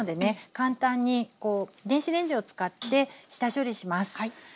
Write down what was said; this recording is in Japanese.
簡単に電子レンジを使って下処理します。